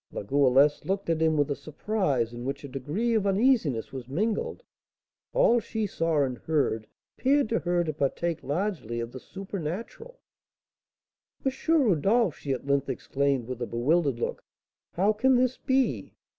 La Goualeuse looked at him with a surprise in which a degree of uneasiness was mingled; all she saw and heard appeared to her to partake largely of the supernatural. "M. Rodolph," she at length exclaimed, with a bewildered look, "how can this be?